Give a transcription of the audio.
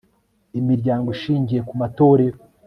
imiryango ishingiye ku matorero